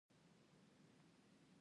د اوبو سائیکل باران راولي.